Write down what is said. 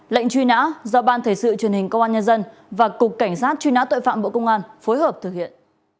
lệnh truy nã do ban thể sự truyền hình công an nhân dân và cục cảnh sát truy nã tội phạm bộ công an phối hợp thực hiện